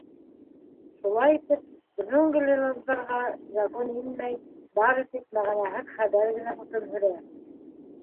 Шулай итеп, джунглиҙарға Закон инмәй, бары тик мәғәнәһеҙ хәбәр генә хөкөм һөрә.